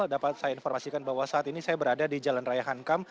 dapat saya informasikan bahwa saat ini saya berada di jalan raya hankam